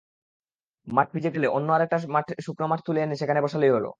মাঠ ভিজে গেলে অন্য আরেকটা শুকনো মাঠ তুলে এনে সেখানে বসালেই হলো।